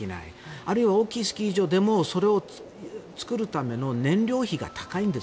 あるいは大きいスキー場でもそれを作るための燃料費が高いんです。